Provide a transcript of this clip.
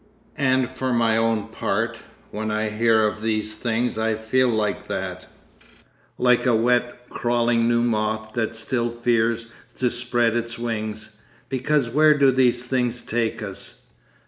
And for my own part, when I hear of these things I feel like that—like a wet, crawling new moth that still fears to spread its wings. Because where do these things take us?